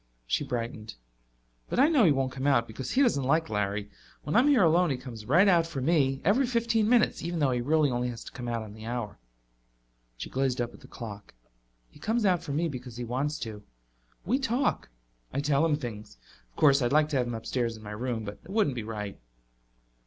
She brightened. "But I know he won't come out because he doesn't like Larry. When I'm here alone he comes right out for me, every fifteen minutes, even though he really only has to come out on the hour." She gazed up at the clock. "He comes out for me because he wants to. We talk; I tell him things. Of course, I'd like to have him upstairs in my room, but it wouldn't be right."